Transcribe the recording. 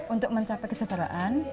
untuk mencapai kejajaran